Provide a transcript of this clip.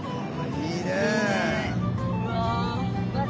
いいね。